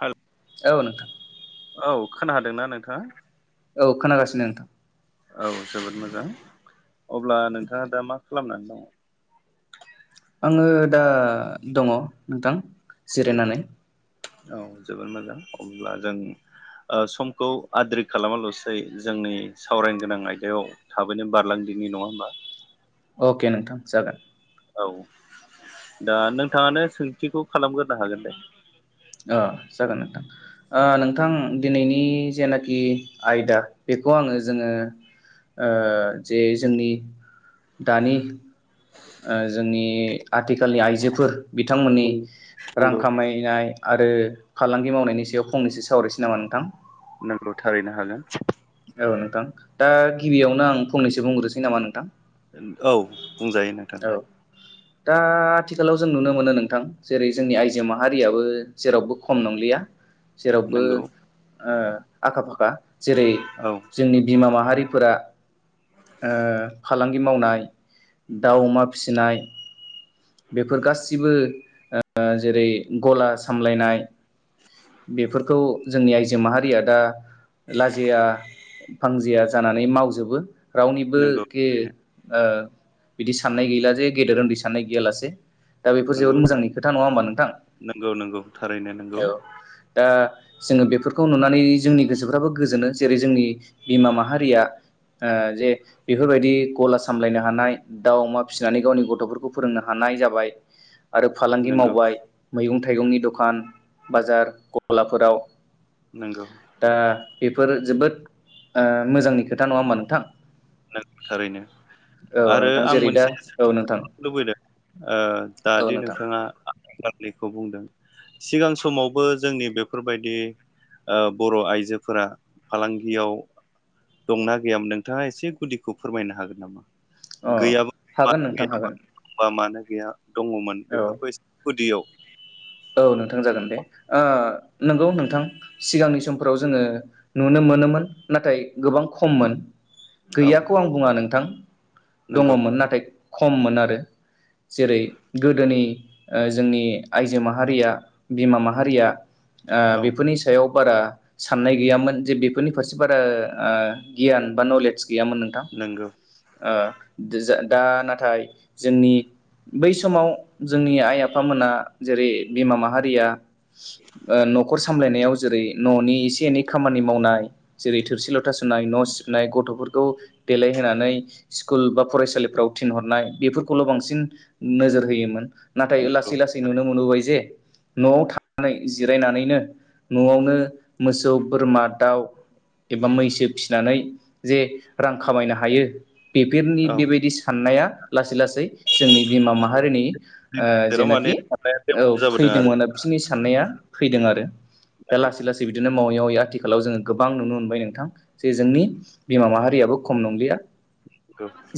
हेल औ नोंथां औ खोनादोंना नोंथाङा? औ खोनागासिनो नोंथां। औ जोबोद मोजां अब्ला नोंथाङा दा मा खालामनानै दङ? आंङो दा दङ नोंथां। जिरायनानै औ जोबोद मोजां अब्ला जों समखौ आद्रि खालामालासे जोंनि सावरायनो गोनां आयदायाव थाबैनो बारलांदिनि नङा होमबा अके नोंथां जागोन औ दा नोंथाङानो सोंथिखौ खालामग्रोनो हागोन दे जागोन नोंथां नोंथां दिनैनि जेनोखि आयदा बेखौ आङो जोङो जे जोंनि। दानि जोंनि आथिखालनि आइजोफोर औ बिथांमोननि रां नंगौ। खामायनाय। आरो फालांगि मावनायनि सायाव फंनैसो सावरायनोसै नामा नोंथां? नोंगौ थारैनो हागोन। औ नोंथां दा गिबियावनो आं फंनैसो बुंग्रोसै नामा नोंथां? औ बुंजायो नोंथां। औ दा आथिखालाव जों नुनो मोनो नोंथां जेरै जोंनि आइजो माहारियाबो जेरावबो खम नंलिया जेरावबो। नंगौ आखा फाखा जेरै औ जोंनि बिमा माहारि। फोरा ओ फालांग मावनाय दाउ अमा फिसिनाय बेफोर गासिबो ओ जेरै गला सामलायनाय बेफोरखौ जोंनि आइजो माहारिया दा लाजिया फांजिया जानानै मावजोबो। नंगौ रावनिबोखे ओ बिदि साननाय गैला जे गेदेर उन्दै साननाय गैयालासे दा बेफोर नंगौ जोबोद थार मोजांनि खोथा नङा होमबा नोंथां नंगौ नंगौ थारैनो नंगौ औ। दा जोङो बेफोरखौ नुनानै जोंनि गोसोफ्राबो गोजोनो जेरै जोंनि बिमा माहारिया ओ जे बेफोरबायदि गला सामलायनो हानाय दाउ अमा फिसिनानै गावनि गथ'फोरखौ फोरोंनो हानाय जाबाय। आरो फालांगि नंगौ मावबाय मैगं थाइगंनि दखान बाजार गलाफोराव नोंगौ। दा बेफोर जोबोद ओ मोजांनि खोथा नङा हामबा नोंथां? थारैनो औ आरो नोंथां आं जेरै दा मोनसे औ नोंथां सोंनो लुबैदों ओ औ दादि नोंथां नोंथाङा [unintelligible] खौ बुंदों सिगां समावबो जोंनि बेफोरबायदि ओ बर' आइजोफोरा फालांगियाव दंना गैयामोन नोंथाङा एसे गुदिखौ फोरमायनो हागोन नामा? अ गैयाबो हागोन नोंथां हागोन [unintelligible] मानो। गैया दङमोन औ बेफोरखौ एसे गुदियाव औ नोंथां जागोन दे ओ नंगौ नोंथां सिगांनि समफोराव जोङो नुनो मोनोमोन नाथाय गोबां खममोन औ गैयाखौ आं बुङा नोंथां नंगौ दङमोन नाथाय खममोन आरो जेरै गोदोनि ओ जोंनि आइजो जो माहारिया बिमा माहारिया ओ औ बेफोरनि सायाव बारा साननाय गैयामोन जे बेफोरनि फारसे बारा आं गियान बा नलेज गैयामोन नोंथां नंगौ ओ दा नाथाय जोंनि बै समाव जोंनि आइ आफामोना जेरै बिमा माहारिया ओ न' खर सामलायनायाव जेरै न'नि एसे एनै खामानि मावनाय जेरै थोरसि लथा सुनाय न' सिबनाय गथ'फोरखौ देलायहोनानै स्कुल बा फरायसालिफ्राव थिनहरनाय बेफोरखौल' बांसिन नोजोर होयोमोन। नाथाय नंगौ लासै लासै नुनो मोनबोबाय जे न'आव थानानै जिरायनानैनो न'आवनो मोसौ, बोरमा, दाउ ब [inaudible] एबा मैसो फिसिनानै जे रां खामायनो हायो बेफोरनि औ बेबायदि साननाया लासै लासै जोंनि बिमा माने माहारिनि जोंनि ओ गेजेराव माने जेनाखि साननाया औ डेभेलप जाबोदों आरो फैदोंमोन बिसोरनि साननाया फैदों आरो दा नंगौ लासै लासै बिदिनो मावै मावै आथिखालाव जोङो गोबां नुनो मोनबाय नोंथां जे जोंनि बिमा माहारियाबो खम नंलिया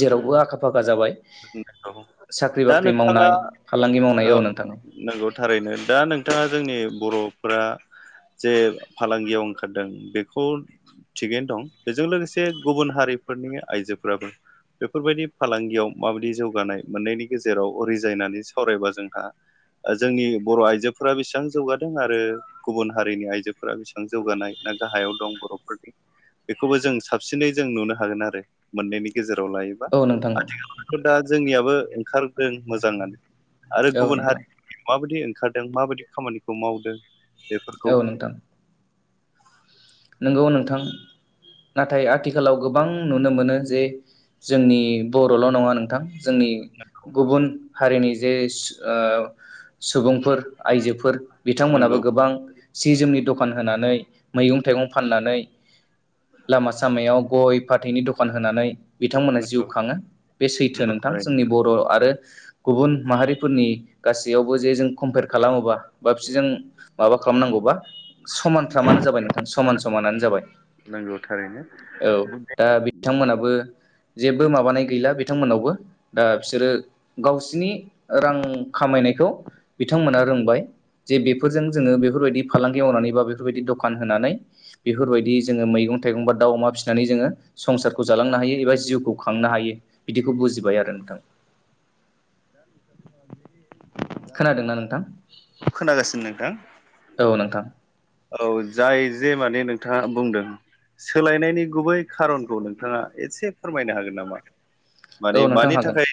जेरावबो आखा फाखा जाबाय नंगौ नंगौ साख्रि दा बाख्रि नोंथाङा मावनाय फालांगि मावनायावनो नंगौ थारैनो दा नोंथाङा जोंनि बर'फोरा जे फालांगियाव ओंखारदों बेखौ थिगैनो दं बेजों लोगोसे गुबुन हारिफोरनि आइजो फोराबो बेफोरबायदि फालांगियाव माबायदि जौगानाय मोननायनि गेजेराव रिजायनानै सावरायबा जोंहा जोंनि बर' आइजोफोरा बेसेबां जौगादों आरो गुबुन हारिनि आइजोफोरा बेसेबां जौगानाय ना गाहायाव दं बर'फोरनि बेखौबो जों साबसिनै जों नुनो हागोन आरो मोननैनि गेजेर याव लायोबा औ नोंथां औ आथिखालावथ' दा जोंनियाबो ओंखारगदों मोजाङानो आरो औ गुबुन नोंथां हारि माबायदि ओंखारदों माबायदि खामानिखौ मावदों बेफोरखौ औ नोंगौ नोंथां नाथाय आथिखालाव गोबां नुनो मोनो जे जोंनि बर' ल नङा नोंथां जोंनि गुबुन हारिनि जे ओ सुबुंफोर आइजोफोर बिथांमोनाबो नंगौ गोबां सि जोमनि दखान होनानै मैगं थाइगं नै लामा सामायाव गय फाथैनि दखान होनानै बिथांमोना नंगौ जिउ खाङो बे सैथो नोंथां थारैनो जोंनि बर' आरो गुबुन माहारिफोरनि गासैयावबो जे जों कम्पेर खालामोबा बा बिसोरजों माबा खालामनांगौबा समानफ्रामानो जाबाय नोंथां समान आनो जाबाय नंगौ थारैनो औ दा बिथांमोनाबो जेबो माबानाय गै बिथांमोनावबो दा बिसोरो गावसोरनि रां खामायनायखौ बिथांमोना रोंबाय जे बेफोरजों जोङो बेफोरबायदि फालांगि मावनानै बा बेफोरबायदि दखान होनानै बेफोरबायदि जोङो मैगं थाइगं बा दाउ अमा फिसिनानै जोङो संसारखौ जालांनो हायो एबा जिउखौ खांनो हायो बिदिखौ बुजिबाय आरो नोंथां। [unintelligible] खोनादोंना नोंथां? खोनागासिनो नोंथां औ नोंथां। औ जाय जे माने नोंथाङा बुंदों सोलायनायनि गुबै खारनखौ नोंथाङा एसे फोरमायनो हागोन नामा? औ माने नोंथां मानि हागोन थाखाय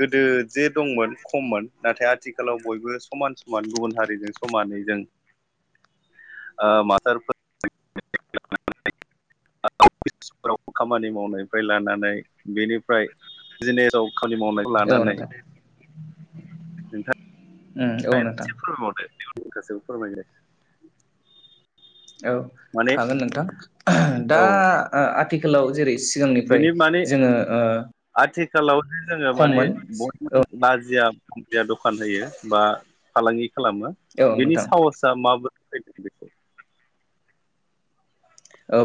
गो दो जे दंमोन खममोन नाथाय आथिखालाव बयबो समान समान गुबुन हारिजों समानै जों ओ माथारफोर व खामानि मावनायनिफ्राय लानानै बेनिफ्राय बिजनेसाव खामानि मावनायखौ औ लानानै नोंथां उम औ नोंथां। नोंथां [inaudible] गासैबो फोरमायद औ हागोन नोंथां दा औ थिकालाव जेरै सिगांनिफ्राय बिनि माने जोङो ओ आथिखालाव जे जोङो माने खममोन बय बाजिया या दखान होयो बा फालांगि खालामो औ बिनि नोंथां साहसआ माबोर बेखौ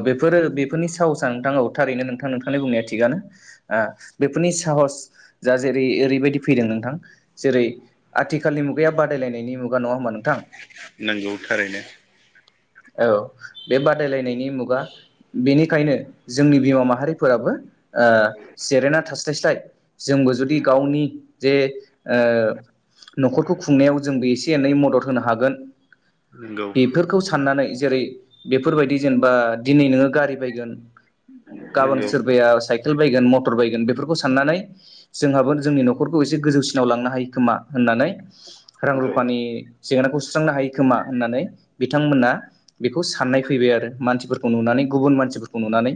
बेफोरो बेफोरनि साहसआ नोंथाङ औ थारैनो नोंथां नोंथांनि बुंनाया थिगानो ओ बेफोरनि साहस जा जेरै ओरैबायदि फैदों नोंथां जेरै आथिखालनि मुगाया बादायलायनायनि मु नंगौ थारैनो। औ बे बादायलायनायनि मुगा बेनिखायनो जोंनि बिमा माहारिफोराबो ओ जेरेना थास्लायस्लाय जोंबो जुदि गावनि जे ओ न खरखौ खुंनायाव जोंबो एस एनै मदद होनो हागोन नोंगौ नै जेरै बेफोरबायदि जेनेबा दिनै नोङो गारि बायगोन गाबोन नंगौ सोरबाया साइ केल बायगोन मटर बायगोन बेफोरखौ साननानै जोंहाबो जोंनि नखरखौ एसे गोजौसिनाव लांनो हायो खोमा होननानै रां नंगौ रुफानि जेंनाखौ सु सुस्रांनो हायो खोमा होननानै बिथांमोना बेखौ साननाय फैबाय आरो मानसि फोरखौ नुनानै गुबुन मानसिफोरखौ नुनानै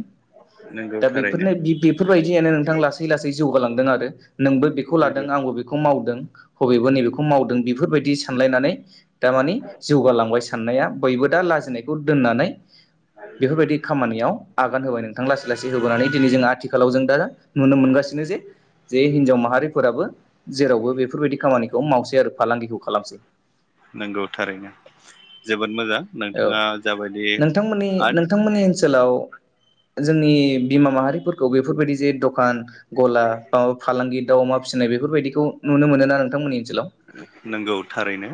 नंगौ दा थारैनो बेफोरनो बेफोरबायदियानो नोंथां लासै लासै जौगालांदों आरो नोंबो बेखौ लादों नंगौ आंबो बेखौ माव दों हबेबो नैबेखौ मावदों बेफोरबायदि सानलायनानै दामानि जौगालांबाय सान बैयबो दा लाजिनायखौ दोननानै बेफोरबादि खामानियाव आगान होबाय नोंथां लासै लासै होबोनानै दिनै जोंहा आथिखालाव जों दा नुनो मोनगासिनो जे जे हिनजाव माहारिफोराबो जेरावबो बेफोरबायदि खामानिखौ मावसै आरो फालांगिखौ खालामसै नोंगौ थारैनो जोबोद मोजां औ नोंथाङा जाबायदि नोंथांमोननि आर्ट नोंथांमोननि ओनसोलाव जोंनि बिमा माहारिफोरखौ बेफोरबायदि जे दखान गला अव फालांगि दाउ अमा फिसिनाय बेफोरबायदिखौ नुनो मोनो ना नोंथांमोननि ओनसोलाव? नोंगौ थारैनो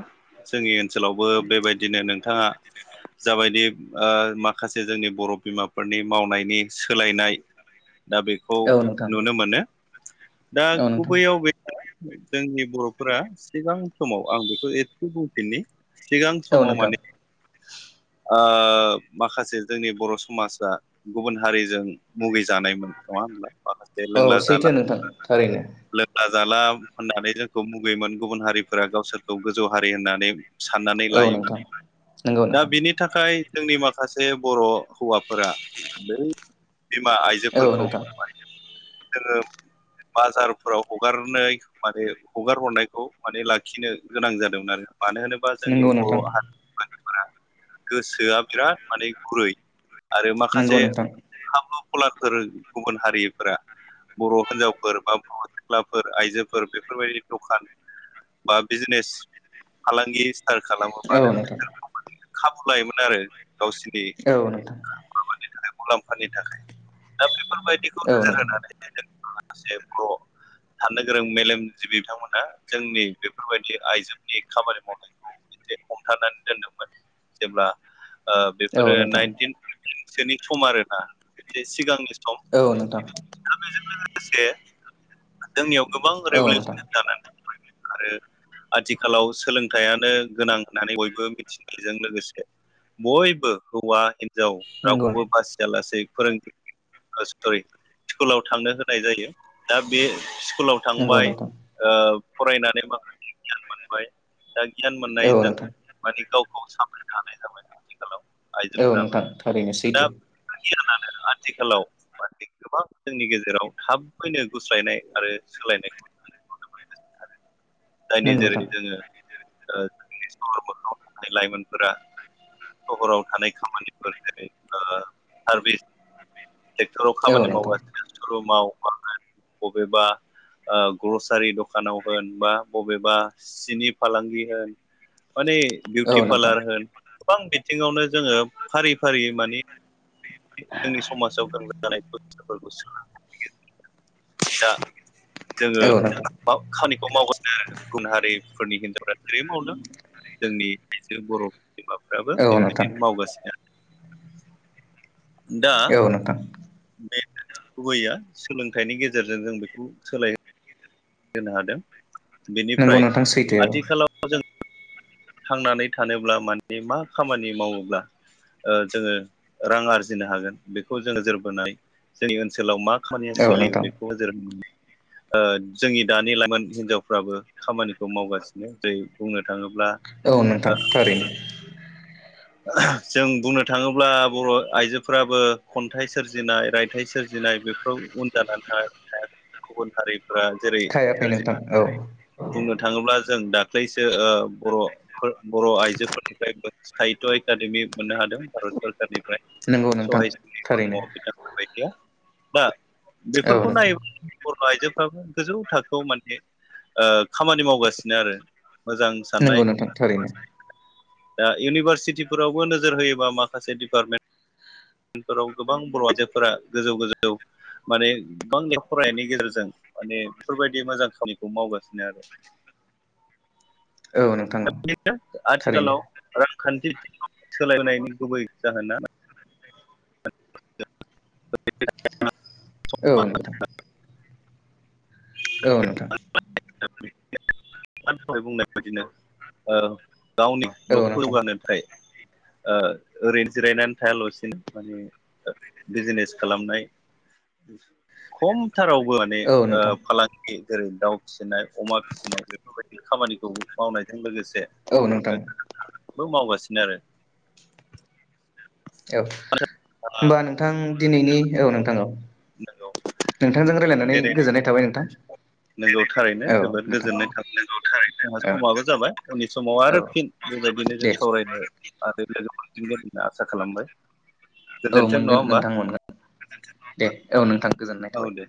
जोंनि ओनसोलावबो बेबायदिनो नोंथाङा जाबायदि ओ माखासे जोंनि बर बिमाफोरनि मावनायनि सोलायनाय दा बेखौ औ नोंथां नुनो मोनो दा औ नोंथां गुबैयाव बै जोंनि बरफोरा सिगां समाव आं बेखौ एससे बुंफिननि सिगां औ समाव नोंथां माने ओ माखासे जोंनि बर समाजा गुबुन हारिजों मुगैजानायमोन नङा होमबा? ओव सैथो नोंथां थारैनो लोंला जाला होननानै जोंखौ मुगैयोमोन गुबुन हारिफोरा गावसोरखौ गोजौ हारि होननानै साननानै औ लायोमोन नोंथां नंगौ दा नोंथां बिनि थाखाय जोंनि माखासे बर' हौवा फोरा बै बिमा औ आइजोफोरखौ नोंथां मोन जोङो बाजार फोराव हगारनो माने हगार हरनायखौ माने लाखिनो गोनां जादोंमोन आरो मानो होनोबा जोंनि नंगौ नोंथां बर' हारि फोरा गोसोआ बिराद माने गुरै। आरो नंगौ माखासे नोंथां खाबु गलारफोर गुबुन हारिफोरा बर' हिनजावफोर बा बर सिख्लाफोर आइजोफोर बेफोरबायदि दखान बा बिजनेस फालांगि फोर औ खालामोबानो नोंथां [unintelligible] खाबु लायोमोन आरो गावसिनि औ नोंथां माबानि थाखाय मुलाम्फानि थाखाय दा बि फोरबायदिखौ औ नोजोर नोंथां होनानै आसे ब्र साननो गोरों मेलेमजिबि बिथांमोना जोंनि बेफोरबायदि आइजोनि खामानि मावनायखौ एसे हमथानानै दोनदोंमोन जेब्ला अ औ बेफोरो नोंथां नाइनटिन सोनि सम आरो ना एसे सिगांनि औ नोंथां एसे जोंनियाव गोबां औ नोंथां रिभलिउसन जानो थांबाय आरो आथिखालाव सोलोंथाइयानो गोनां होननानै बयबो मिथिनायजों लोगोसे बयबो हौवा हिन जाव नंगौ रावखौबो बासिया लासेै फोरोंगिरि अ सरि स्कुलाव थांनो होनाय जायो दा बे स्कुलाव नंगौ थांबाय नोंथां ओ फरायनानै माखासे गियान मोनबाय दा गियान औ मोननायजों नोंथां माने गाव खौ सामलायनो हानाय जाबाय आथिखालाव औ आइजोफोराबो नोंथां थारैनो दा सैथो गियानानो आथिखालाव माने गोबां जोंनि गेजेराव थाबबैनो गुस्लायनाय आरो सोलायनायखौ जों नुनो मोनदों आरो नों जायनि नोंथां जेरै- जोङो अ जोंनि सहर मोखाङाव थानाय लाइमोनफोरा सहराव थानाय खामानिफोर जेरै- अ सारभिस ट्रेक्टराव औ खामानि नोंथां मावगासिनो स रुमाव अ [inaudible] बबेबा अ ग्रसारि दखानाव होन बा बबेबा सिनि फालांगि होन माने बिउटि औ नोंथां पार्लार होन गोबां बि- थिङावनो जोङो फारि फारि माने जोंनि समाजाव गांगौ जानाय बुस्थु स [inaudible] दा जोङो औ नोंथां बाव खामिखौ मावगासिनो आरो गुन हारि फोरनि [unintelligible] ओरैनो मावदों जोंनि जे बर' बिमाफ्राबो औ नोंथां बेबायदिनो मावगासिनो आरो औ नोंथां। बे गुबुबैया सोलोंथाइनि गेजेरजों जों बेखौ सोलाय होनो हादों नोंगौ बेनिफ्राय नोंथां सैथो। आथिखालाव थांनानै थानोब्ला माने मा खामानि मावोब्ला ओ जोङो रां आरजिनो हागोन बेखौ जों नोजोर बोनाय जोंनि ओनसोलाव मा खामानिया औ औ सोलियो नोंथां बेखौबो जेरै ओ जोंनि दानि लाइमोन हिनजावफ्राबो खामानिखौ मावगासिनो जेरै बुंनो थाङोब्ला औ नोंथां थारैनो। जों बुंनो थाङोब्ला बर' आइजोफोराबो खन्थाइ सोरजिनाय रायथाइ सोरजिनाय बेफोराव उन जानानै थायाखै गुबुन हारि जेरै थायाखै सोरजि नोंथां औ बुंनो थाङोब्ला जों दा दाख्लैसो बर' बर' आइजोफोरनिफ्राय साहित्य एकाादेमि मोननो हादों भारत सरकार नोंगौ नोंथां थारैनो। बा औ बेफोरखौ नोंथां नायोब्ला आइजोफ्राबो गोजौ थाखोआव माने ओ खामानि मावगासिनो आरो मोजां नंगौ साननाय नोंथां थारैनो। दा इउनिभारसिटिफोरावबो नोजोर होयोबा माखासे दिडिपार्टमेन्ट फोराव गोबां बर' आइजोफोरा गोजौ गोजौ माने गोबां लेखा फरायनायनि गेजेरजों माने बेफोरबायदि मोजां खामानिखौ मावगासिनो आरो औ नोंथां औ थारैनो आथिखालाव खान्थि सोलायनायनि गुबै जाहोना [unintelligible] औ नोंथां औ नोंथां आं दहाय बुंनाय बाददिनो गावनि औ न'खर नोंथां जौगानो थाखाय ओ ओरैनो जिरायनानै थायाल'सिनो बिजनेस खालामनाय खम फोथारावबो माने औ ओ नोंथां फालांगि जेरै दाउ फिसिनाय अमा फिसिनाय बे खामानिखौ मावनायजों लोगोसे औ नोंथां मावगासिनो आरो औ होमबा नोंथां दिनैनि औ नोंथां औ। नंगौ नोंथांजों रायज्लायनानै गोजोननाय थाबाय नोंथां। नोंगौ थारैनो औ जोबोद नोंथां गोजोननाय थाब जोंहा औ समाबो जाबाय उननि समाव औ आरो फिन बेबायदिनो दे जों सावरायनो आरो थागोन होनना आसा खालामबाय। औ गोजोन्थों नङा मोनगोन होमबा नोंथां मोनगोन दे औ नोंथां। गोजोननाय औ थाबाय दे।